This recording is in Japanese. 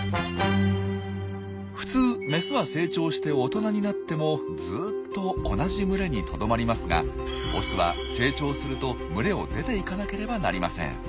普通メスは成長して大人になってもずっと同じ群れにとどまりますがオスは成長すると群れを出ていかなければなりません。